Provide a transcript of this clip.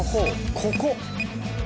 ここ。